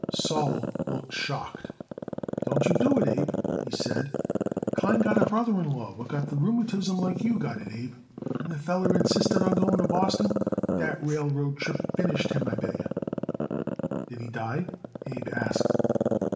Sol looked shocked. "Don't you do it, Abe," he said. "Klein got a brother in law what got the rheumatism like you got it, Abe, and the feller insisted on going to Boston. The railroad trip finished him, I bet yer." "Did he die?" Abe asked.